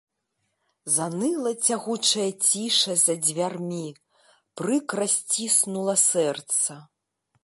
Заныла цягучая ціша за дзвярмі, прыкра сціснула сэрца.